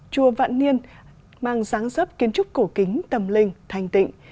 chùa vạn niên mang dáng dấp kiến trúc cổ kính tâm linh thanh tịnh